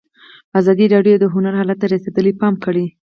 ازادي راډیو د هنر حالت ته رسېدلي پام کړی.